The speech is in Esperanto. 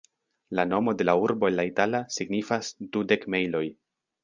La nomo de la urbo en la itala signifas ""dudek mejloj"".